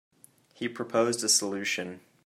He proposed a solution.